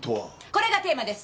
これがテーマです。